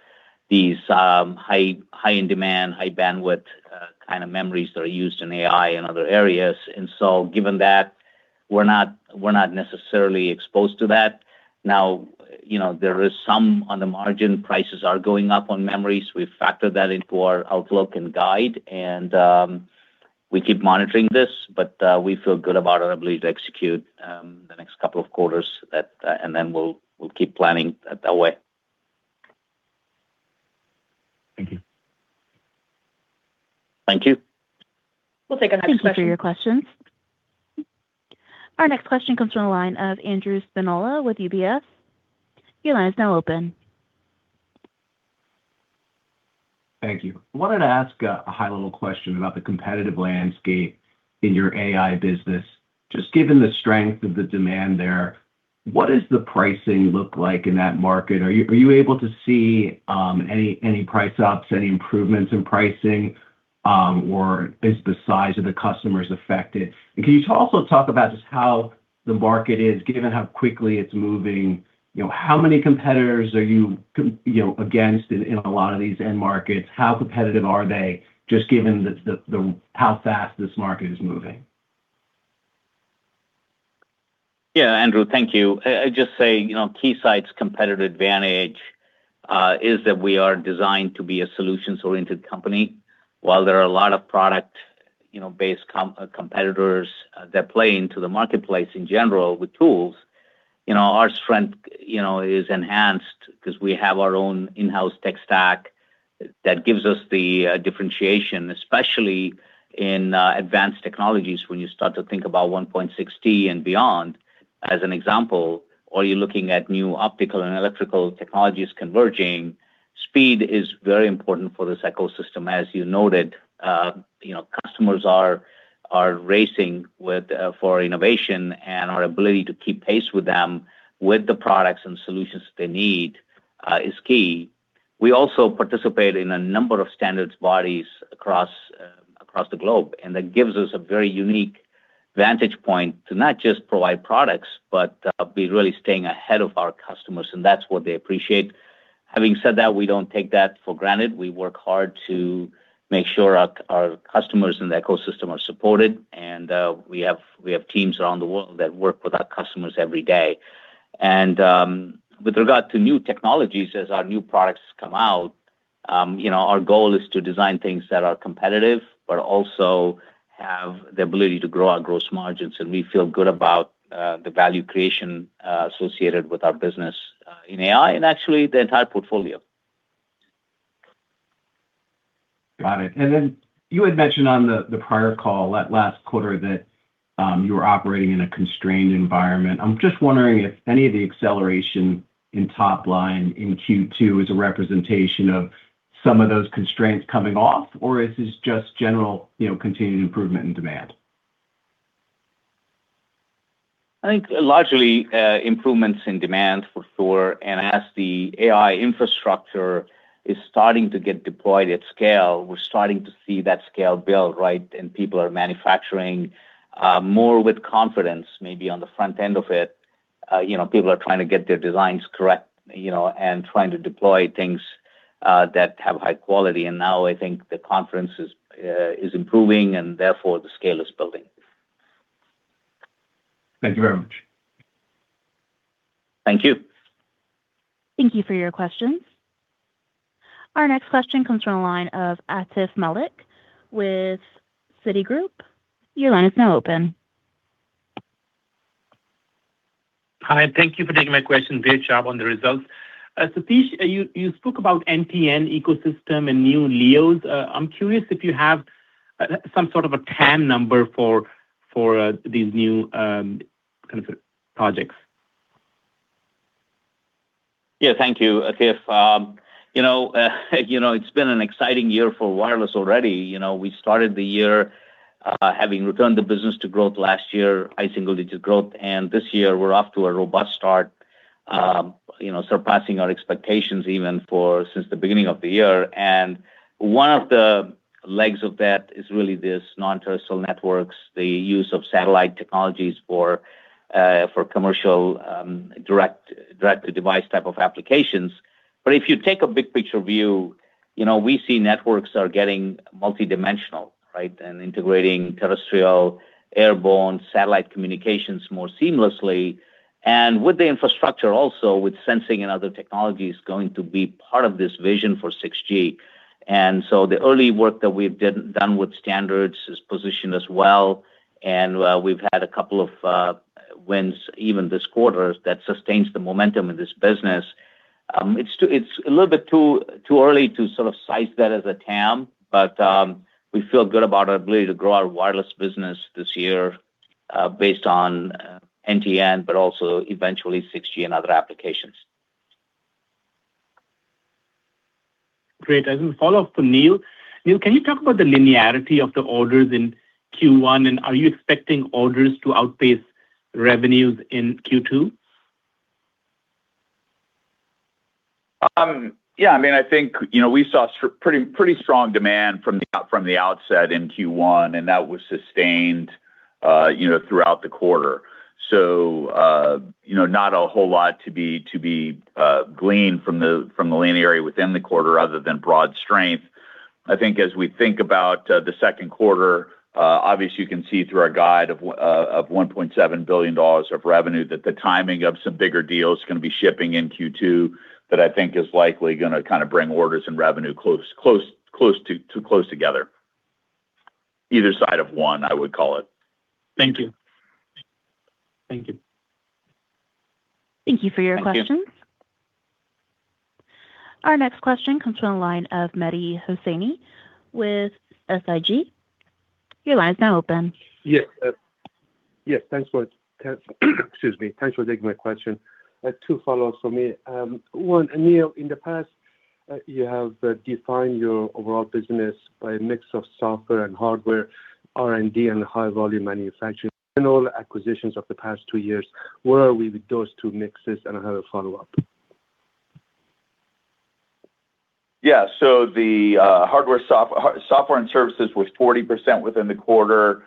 these, high in demand, high bandwidth kind of memories that are used in AI and other areas. So given that, we're not, we're not necessarily exposed to that. Now, you know, there is some on the margin, prices are going up on memories. We've factored that into our outlook and guide, and we keep monitoring this, but we feel good about our ability to execute the next couple of quarters at, and then we'll, we'll keep planning that way. Thank you. Thank you. We'll take the next question. Thank you for your questions. Our next question comes from the line of Andrew Spinola with UBS. Your line is now open. Thank you. I wanted to ask a, a high-level question about the competitive landscape in your AI business. Just given the strength of the demand there, what does the pricing look like in that market? Are you, are you able to see any, any price ups, any improvements in pricing, or is the size of the customers affected? Can you also talk about just how the market is, given how quickly it's moving, you know, how many competitors are you, you know, against in, in a lot of these end markets? How competitive are they, just given the, the, the, how fast this market is moving? Yeah, Andrew, thank you. I, I'd just say, you know, Keysight's competitive advantage, is that we are designed to be a solutions-oriented company. While there are a lot of product, you know, based competitors, that play into the marketplace in general with tools, you know, our strength, you know, is enhanced 'cause we have our own in-house tech stack that gives us the differentiation, especially in advanced technologies, when you start to think about 1.6 T and beyond, as an example, or you're looking at new optical and electrical technologies converging, speed is very important for this ecosystem. As you noted, you know, customers are, are racing with for innovation, and our ability to keep pace with them, with the products and solutions they need, is key. We also participate in a number of standards bodies across, across the globe, and that gives us a very unique vantage point to not just provide products, but be really staying ahead of our customers, and that's what they appreciate. Having said that, we don't take that for granted. We work hard to make sure our, our customers and the ecosystem are supported, and we have, we have teams around the world that work with our customers every day. With regard to new technologies, as our new products come out, you know, our goal is to design things that are competitive, but also have the ability to grow our gross margins, and we feel good about the value creation associated with our business in AI and actually the entire portfolio. Got it. Then you had mentioned on the, the prior call, that last quarter, that you were operating in a constrained environment. I'm just wondering if any of the acceleration in top line in Q2 is a representation of some of those constraints coming off, or is this just general, you know, continued improvement in demand? I think largely, improvements in demand for sure. As the AI infrastructure is starting to get deployed at scale, we're starting to see that scale build, right? People are manufacturing, more with confidence, maybe on the front end of it. You know, people are trying to get their designs correct, you know, and trying to deploy things that have high quality. Now I think the confidence is improving, and therefore the scale is building. Thank you very much. Thank you. Thank you for your questions. Our next question comes from the line of Atif Malik with Citigroup. Your line is now open. Hi, thank you for taking my question. Great job on the results. Satish, you spoke about NTN ecosystem and new LEOs. I'm curious if you have some sort of a TAM number for these new kind of projects. Yeah, thank you, Atif. You know, you know, it's been an exciting year for wireless already. You know, we started the year, having returned the business to growth last year, high single-digit growth. This year we're off to a robust start, you know, surpassing our expectations even for since the beginning of the year. One of the legs of that is really this non-terrestrial networks, the use of satellite technologies for commercial direct, direct-to-device type of applications. If you take a big picture view, you know, we see networks are getting multidimensional, right? Integrating terrestrial airborne satellite communications more seamlessly, and with the infrastructure also, with sensing and other technologies, going to be part of this vision for 6G. The early work that we've done with standards is positioned as well, and, well, we've had a couple of wins even this quarter that sustains the momentum in this business. It's a little bit too early to sort of size that as a TAM, but we feel good about our ability to grow our wireless business this year, based on NTN, but also eventually 6G and other applications. Great. As a follow-up to Neil. Neil, can you talk about the linearity of the orders in Q1, and are you expecting orders to outpace revenues in Q2? Yeah, I mean, I think, you know, we saw pretty, pretty strong demand from the outset in Q1, and that was sustained, you know, throughout the quarter. You know, not a whole lot to be, to be gleaned from the linearity within the quarter other than broad strength. I think as we think about the second quarter, obviously you can see through our guide of $1.7 billion of revenue, that the timing of some bigger deals is going to be shipping in Q2, that I think is likely going to kind of bring orders and revenue close, close, close to, to close together. Either side of one, I would call it. Thank you. Thank you. Thank you for your questions. Thank you. Our next question comes from the line of Mehdi Hosseini with SIG. Your line is now open. Yes, thanks for, excuse me. Thanks for taking my question. I have two follow-ups for me. One, Neil, in the past, you have defined your overall business by a mix of software and hardware, R&D, and high volume manufacturing. In all the acquisitions of the past two years, where are we with those two mixes? I have a follow-up. Yeah, so the hardware, software and services was 40% within the quarter.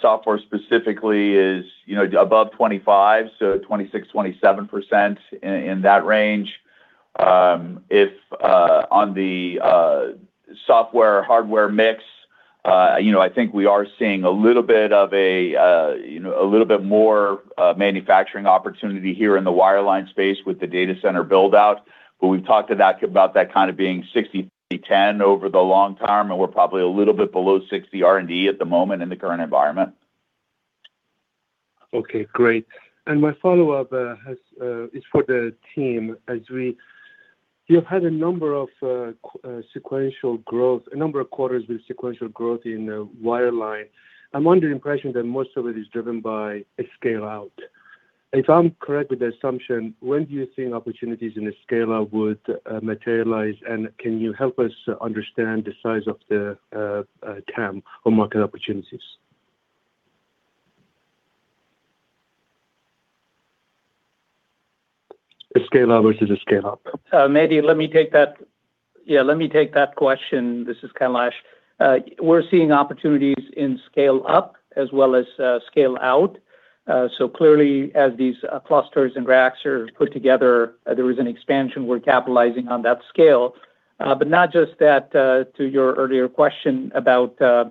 Software specifically is, you know, above 25%, so 26%-27% in that range. If on the software-hardware mix, you know, I think we are seeing a little bit of a, you know, a little bit more manufacturing opportunity here in the wireline space with the data center build-out. We've talked to that, about that kind of being 60/10 over the long term, and we're probably a little bit below 60 R&D at the moment in the current environment. Okay, great. My follow-up is for the team. You've had a number of sequential growth, a number of quarters with sequential growth in the wireline. I'm under the impression that most of it is driven by a scale-out. If I'm correct with the assumption, when do you think opportunities in a scale-out would materialize, and can you help us understand the size of the TAM or market opportunities? A scale-out versus a scale-up. Uh, Mehdi, let me take that. Yeah, let me take that question. This is Kailash. Uh, we're seeing opportunities in scale up as well as, uh, scale out. Uh, so clearly, as these, uh, clusters and racks are put together, there is an expansion. We're capitalizing on that scale. Uh, but not just that, uh, to your earlier question about, uh,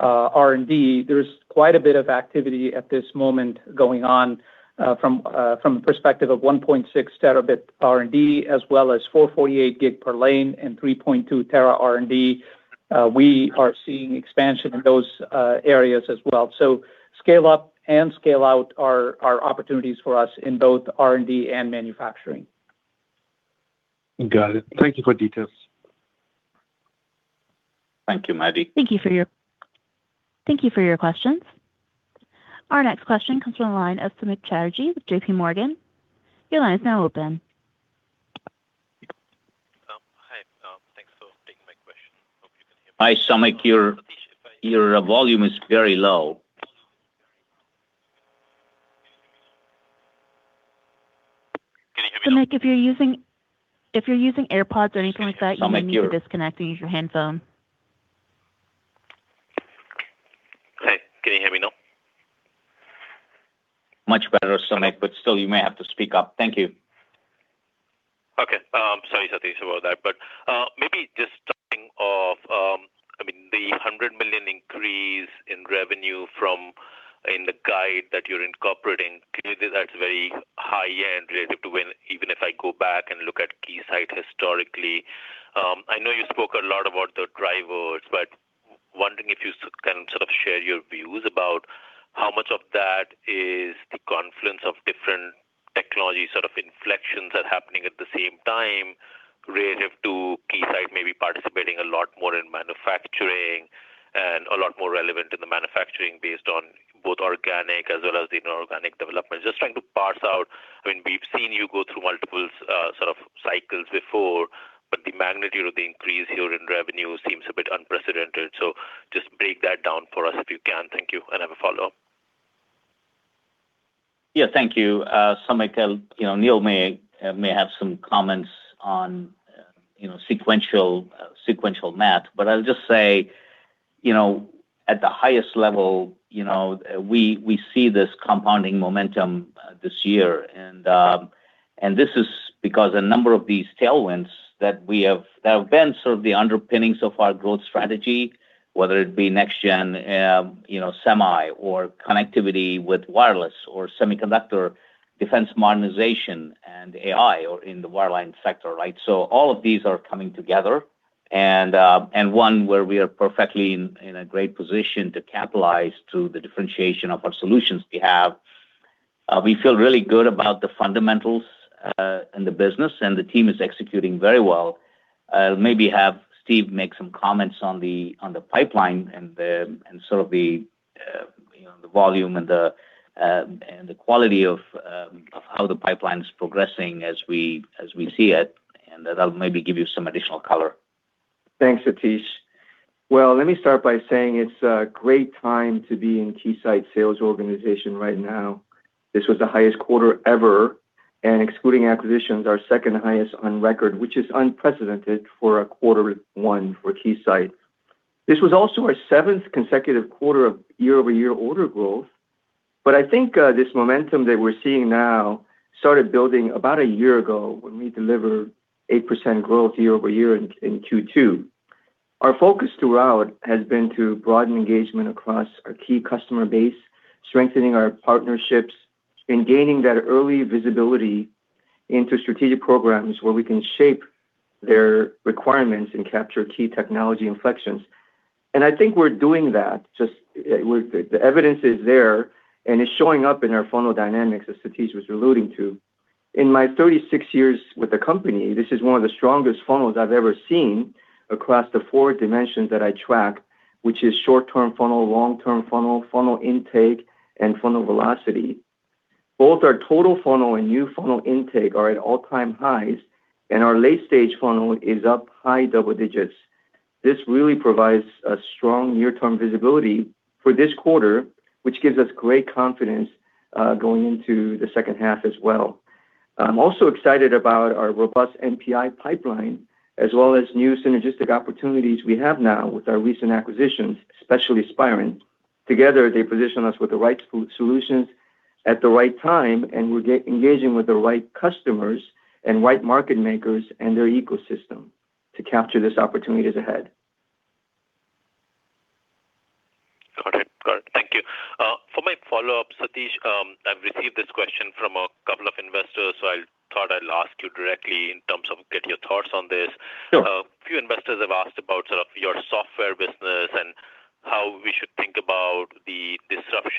uh, R&D, there's quite a bit of activity at this moment going on, uh, from, uh, from the perspective of one point six terabit R&D, as well as four 48 GB per lane and three point two tera R&D. Uh, we are seeing expansion in those, uh, areas as well. So scale up and scale out are, are opportunities for us in both R&D and manufacturing. Got it. Thank you for details. Thank you, Mehdi. Thank you for your questions. Our next question comes from the line of Samik Chatterjee with JPMorgan. Your line is now open. Hi. Thanks for taking my question. Hope you can hear me- Hi, Samik, your, your volume is very low. Can you hear me now? Samik, if you're using, if you're using AirPods or anything like that. Samik, You may need to disconnect and use your handphone. Hi, can you hear me now? Much better, Samik, but still, you may have to speak up. Thank you. Okay. Sorry, Satish, about that. Maybe just starting off, I mean, the $100 million increase in revenue from in the guide that you're incorporating, clearly that's very high end relative to when... Even if I go back and look at Keysight historically. I know you spoke a lot about the drivers, but wondering if you can sort of share your views about how much of that is the confluence of different technology, sort of inflections that are happening at the same time, relative to Keysight maybe participating a lot more in manufacturing and a lot more relevant in the manufacturing based on both organic as well as the inorganic development? Just trying to parse out. I mean, we've seen you go through multiple, sort of cycles before, but the magnitude of the increase here in revenue seems a bit unprecedented. Just break that down for us if you can. Thank you. I have a follow-up. Yeah, thank you. Samik, you know, Neil may have some comments on, you know, sequential, sequential math, but I'll just say, you know, at the highest level, you know, we see this compounding momentum this year. This is because a number of these tailwinds that have been sort of the underpinning so far growth strategy, whether it be next-gen, you know, semi or connectivity with wireless or semiconductor defense modernization and AI or in the wireline sector. All of these are coming together, and one where we are perfectly in a great position to capitalize through the differentiation of what solutions we have. We feel really good about the fundamentals in the business, and the team is executing very well. I'll maybe have Steve make some comments on the pipeline and sort of the, you know, the volume and the quality of how the pipeline is progressing as we, as we see it, and that I'll maybe give you some additional color. Thanks, Satish. Well, let me start by saying it's a great time to be in Keysight sales organization right now. This was the highest quarter ever, and excluding acquisitions, our second highest on record, which is unprecedented for a quarter one for Keysight. This was also our seventh consecutive quarter of year-over-year order growth. I think this momentum that we're seeing now started building about a year ago when we delivered 8% growth year-over-year in Q2. Our focus throughout has been to broaden engagement across our key customer base, strengthening our partnerships, and gaining that early visibility into strategic programs where we can shape their requirements and capture key technology inflections. I think we're doing that, just, with the, the evidence is there, and it's showing up in our funnel dynamics, as Satish was alluding to. In my 36 years with the company, this is one of the strongest funnels I've ever seen across the four dimensions that I track, which is short-term funnel, long-term funnel, funnel intake, and funnel velocity. Both our total funnel and new funnel intake are at all-time highs, and our late-stage funnel is up high double digits. This really provides a strong near-term visibility for this quarter, which gives us great confidence going into the second half as well. I'm also excited about our robust NPI pipeline, as well as new synergistic opportunities we have now with our recent acquisitions, especially Spirent. Together, they position us with the right solutions at the right time, and we're engaging with the right customers and right market makers and their ecosystem to capture this opportunities ahead. Got it. Got it. Thank you. For my follow-up, Satish, I've received this question from a couple of investors, so I thought I'd ask you directly in terms of get your thoughts on this. Sure. A few investors have asked about sort of your software business and how we should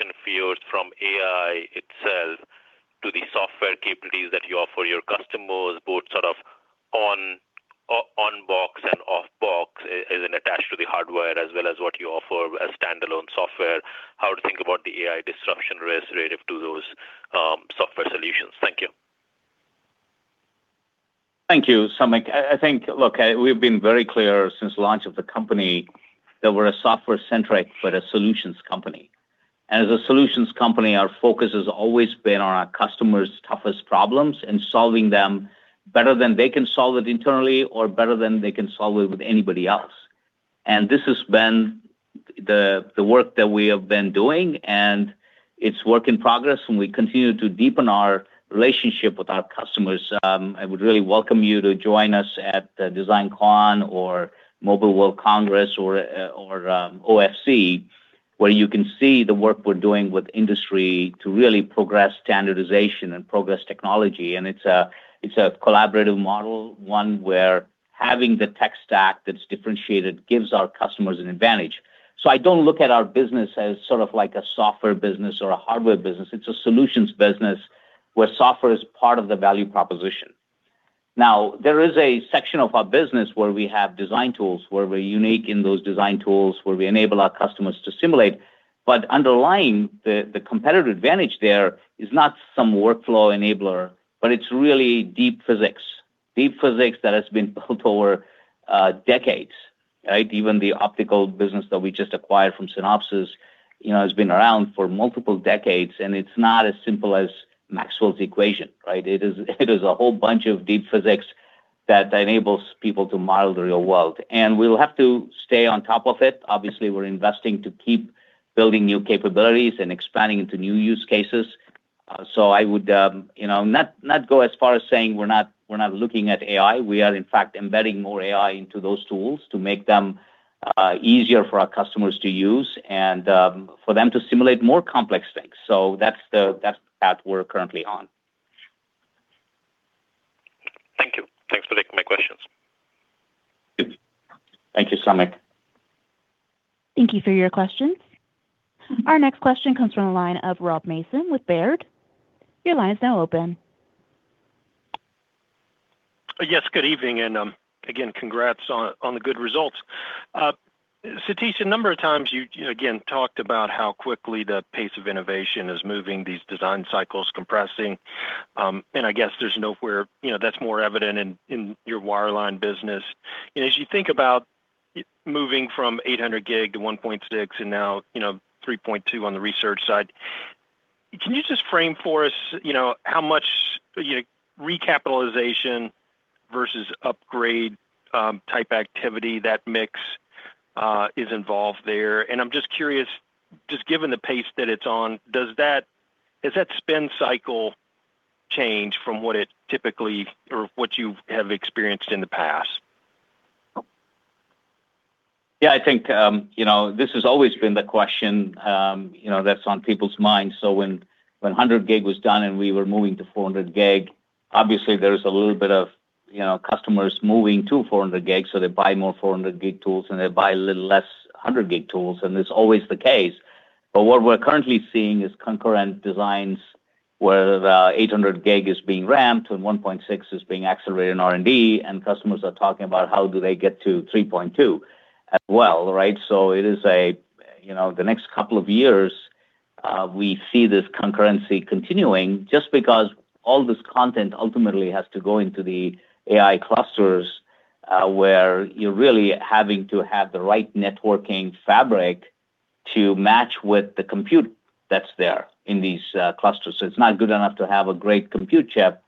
think about the disruption fields from AI itself to the software capabilities that you offer your customers, both sort of on, on box and off box, as in attached to the hardware, as well as what you offer as standalone software, how to think about the AI disruption risk relative to those, software solutions. Thank you. Thank you, Samik. I, I think, look, we've been very clear since launch of the company that we're a software-centric, but a solutions company. As a solutions company, our focus has always been on our customers' toughest problems and solving them better than they can solve it internally or better than they can solve it with anybody else. This has been the, the work that we have been doing, and it's work in progress, and we continue to deepen our relationship with our customers. I would really welcome you to join us at the DesignCon or Mobile World Congress or, or OFC, where you can see the work we're doing with industry to really progress standardization and progress technology. It's a, it's a collaborative model, one where having the tech stack that's differentiated gives our customers an advantage. I don't look at our business as sort of like a software business or a hardware business. It's a solutions business where software is part of the value proposition. Now, there is a section of our business where we have design tools, where we're unique in those design tools, where we enable our customers to simulate. Underlying the, the competitive advantage there is not some workflow enabler, but it's really deep physics, deep physics that has been built over decades, right? Even the optical business that we just acquired from Synopsys, you know, has been around for multiple decades, and it's not as simple as Maxwell's equation, right? It is, it is a whole bunch of deep physics that enables people to model the real world, and we'll have to stay on top of it. Obviously, we're investing to keep building new capabilities and expanding into new use cases. I would, you know, not, not go as far as saying we're not, we're not looking at AI. We are, in fact, embedding more AI into those tools to make them, easier for our customers to use and, for them to simulate more complex things. That's the, that's the path we're currently on. Thank you. Thanks for taking my questions. Thank you, Samik. Thank you for your questions. Our next question comes from the line of Rob Mason with Baird. Your line is now open. Yes, good evening, and again, congrats on, on the good results. Satish, a number of times you, you, again, talked about how quickly the pace of innovation is moving, these design cycles compressing. I guess there's nowhere, you know, that's more evident in, in your wireline business. As you think about moving 800 GB to 1.6 T, and now, you know, 3.2 T on the research side, can you just frame for us, you know, how much, you know, recapitalization versus upgrade type activity that mix is involved there? I'm just curious, just given the pace that it's on, does that spend cycle change from what it typically or what you have experienced in the past? I think, you know, this has always been the question, you know, that's on people's minds. When, when 100 GB was done and we were moving to 400 GB, obviously there is a little bit of, you know, customers moving to 400 GB, so they buy more 400 GB tools and they buy a little less 100 GB tools, and that's always the case. What we're currently seeing is concurrent designs, where the 800 GB is being ramped and 1.6 is being accelerated in R&D, and customers are talking about how do they get to 3.2 as well, right? It is a, you know, the next couple of years, we see this concurrency continuing just because all this content ultimately has to go into the AI clusters, where you're really having to have the right networking fabric to match with the compute that's there in these clusters. It's not good enough to have a great compute chip,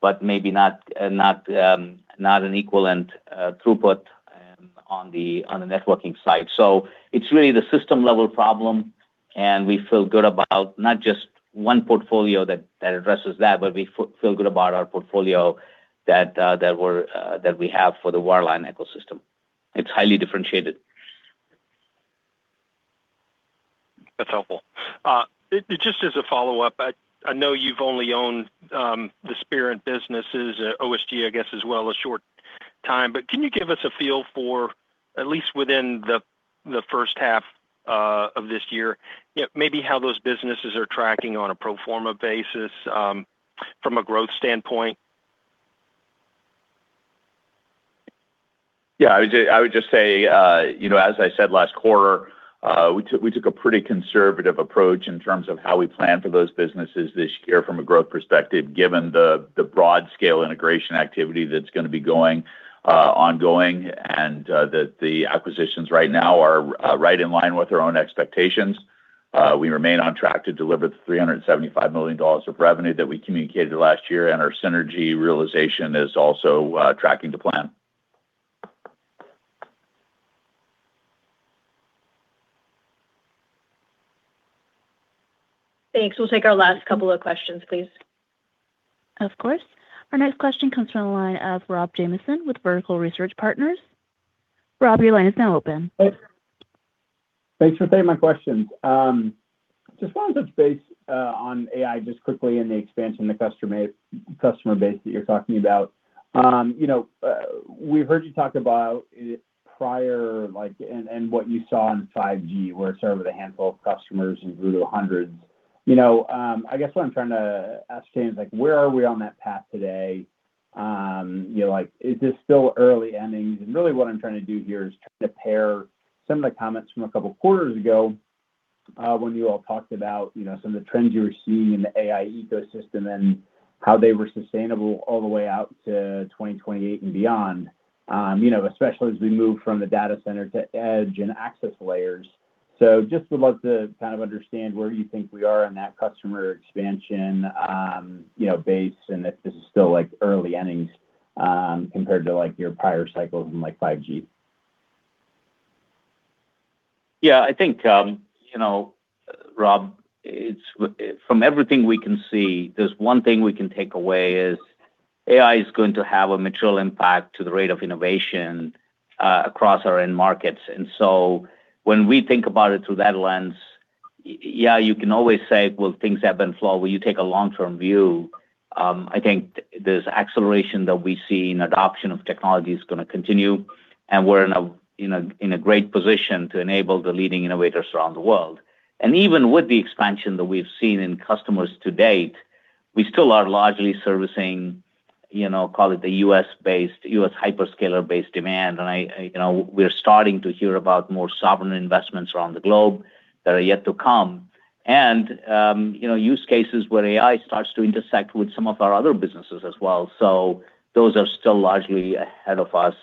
but maybe not, not an equivalent throughput on the networking side. It's really the system level problem, and we feel good about not just one portfolio that, that addresses that, but we feel good about our portfolio that we have for the wireline ecosystem. It's highly differentiated. That's helpful. Just as a follow-up, I, I know you've only owned the Spirent businesses, OSG, I guess, as well, a short time, but can you give us a feel for, at least within the, the first half of this year, yet maybe how those businesses are tracking on a pro forma basis, from a growth standpoint? Yeah, I would just say, you know, as I said last quarter, we took, we took a pretty conservative approach in terms of how we plan for those businesses this year from a growth perspective, given the broad scale integration activity that's going to be going ongoing, and the acquisitions right now are right in line with our own expectations. We remain on track to deliver the $375 million of revenue that we communicated last year, and our synergy realization is also tracking to plan. Thanks. We'll take our last couple of questions, please. Of course. Our next question comes from the line of Robert Jamieson with Vertical Research Partners. Rob, your line is now open. Thanks for taking my questions. Just wanted to base, on AI just quickly and the expansion, the customer base, customer base that you're talking about. You know, we've heard you talk about it prior, like, and what you saw in 5G, where it started with a handful of customers and grew to hundreds. You know, I guess what I'm trying to ask today is, like, where are we on that path today? You know, like, is this still early innings? Really what I'm trying to do here is try to pair some of the comments from a couple of quarters ago, when you all talked about, you know, some of the trends you were seeing in the AI ecosystem and how they were sustainable all the way out to 2028 and beyond. you know, especially as we move from the data center to edge and access layers. Just would love to kind of understand where you think we are in that customer expansion, you know, base, and if this is still, like, early innings, compared to, like, your prior cycles in, like, 5G? Yeah, I think, you know, Rob, from everything we can see, there's one thing we can take away is AI is going to have a material impact to the rate of innovation across our end markets. When we think about it through that lens, yeah, you can always say, well, things have been slow. When you take a long-term view, I think this acceleration that we see in adoption of technology is going to continue, and we're in a great position to enable the leading innovators around the world. Even with the expansion that we've seen in customers to date, we still are largely servicing, you know, call it the U.S.-based, U.S. hyperscaler-based demand. I, you know, we're starting to hear about more sovereign investments around the globe that are yet to come. You know, use cases where AI starts to intersect with some of our other businesses as well. Those are still largely ahead of us,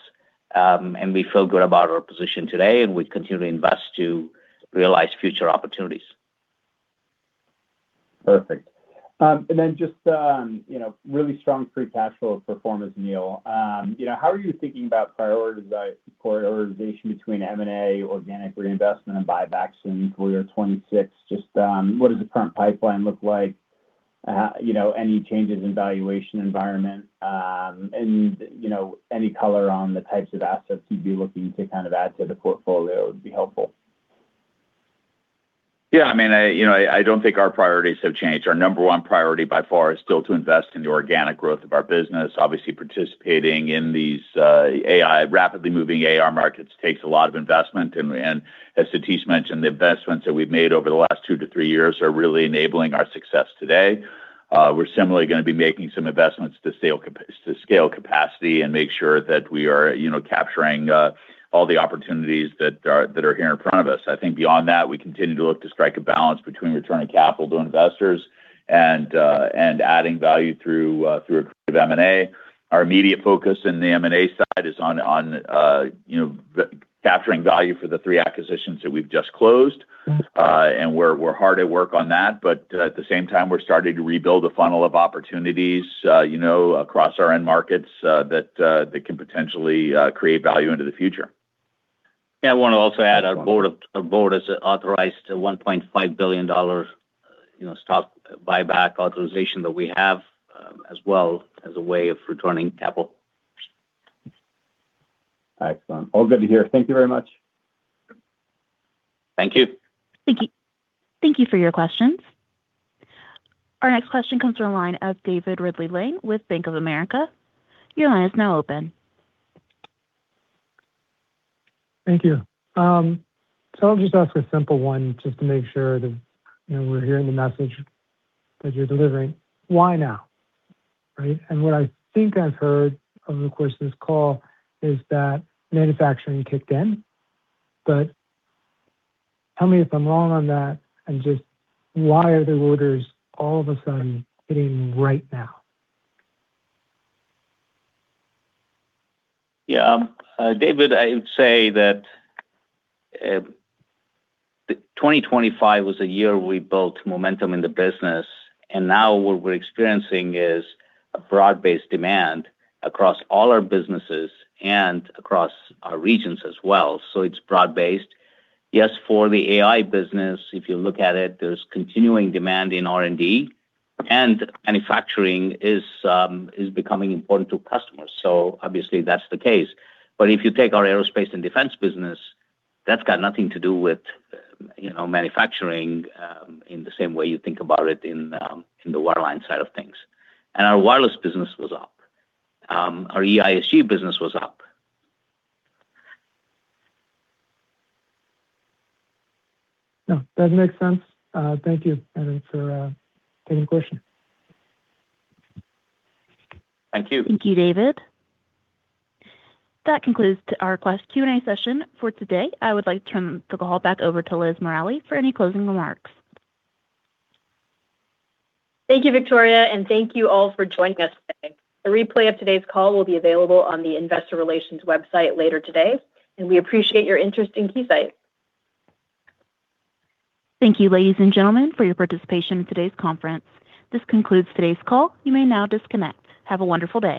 and we feel good about our position today, and we continue to invest to realize future opportunities. Perfect. Then just, you know, really strong free cash flow performance, Neil. You know, how are you thinking about prioritization between M&A, organic reinvestment, and buybacks in year 2026? Just, what does the current pipeline look like? You know, any changes in valuation environment, and, you know, any color on the types of assets you'd be looking to kind of add to the portfolio would be helpful. Yeah, I mean, I, you know, I, I don't think our priorities have changed. Our number one priority by far is still to invest in the organic growth of our business. Obviously, participating in these AI, rapidly moving AI markets takes a lot of investment, and as Satish mentioned, the investments that we've made over the last two to three years are really enabling our success today. We're similarly going to be making some investments to scale capacity and make sure that we are, you know, capturing all the opportunities that are here in front of us. I think beyond that, we continue to look to strike a balance between returning capital to investors and adding value through M&A. Our immediate focus in the M&A side is on, on, you know, the capturing value for the three acquisitions that we've just closed. We're, we're hard at work on that, but at the same time, we're starting to rebuild a funnel of opportunities, you know, across our end markets, that, that can potentially, create value into the future. Yeah, I wanna also add our board of, our board has authorized a $1.5 billion, you know, stock buyback authorization that we have, as well as a way of returning capital. Excellent. All good to hear. Thank you very much. Thank you. Thank you. Thank you for your questions. Our next question comes from line of David Ridley-Lane with Bank of America. Your line is now open. Thank you. I'll just ask a simple one just to make sure that, you know, we're hearing the message that you're delivering. Why now, right? What I think I've heard over the course of this call is that manufacturing kicked in, but tell me if I'm wrong on that, and just why are the orders all of a sudden hitting right now? Yeah. David, I would say that the 2025 was a year we built momentum in the business. Now what we're experiencing is a broad-based demand across all our businesses and across our regions as well. It's broad-based. Yes, for the AI business, if you look at it, there's continuing demand in R&D, manufacturing is becoming important to customers. Obviously, that's the case. If you take our aerospace and defense business, that's got nothing to do with, you know, manufacturing in the same way you think about it in the wireline side of things. Our wireless business was up. Our EISG business was up. No, that makes sense. Thank you, Evan, for taking the question. Thank you. Thank you, David. That concludes our last Q&A session for today. I would like to turn the call back over to Liz Morali for any closing remarks. Thank you, Victoria, and thank you all for joining us today. A replay of today's call will be available on the investor relations website later today, and we appreciate your interest in Keysight. Thank you, ladies and gentlemen, for your participation in today's conference. This concludes today's call. You may now disconnect. Have a wonderful day.